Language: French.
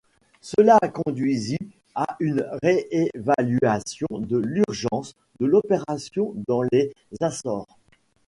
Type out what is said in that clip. Cela a conduisit à une réévaluation de l'urgence de l'opération dans les Açores.